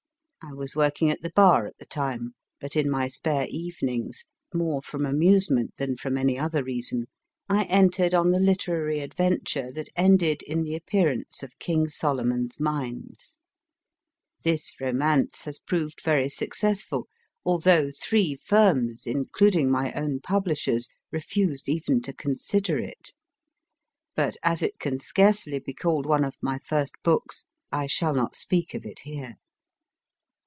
I was working at the Bar at the time, but in my spare evenings, more from amusement than from any other reason, I entered on the literary adventure that ended in the L 2 MR. RIDER HAGGARD 148 MY FIRST BOOK appearance of King Solomon s Mines. This romance has proved very successful, although three firms, including my own publishers, refused even to consider it. But as it can scarcely be called one of my first books, I shall not speak of it here.